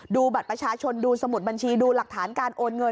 ดูบัตรประชาชนดูสมุดบัญชีดูหลักฐานการโอนเงิน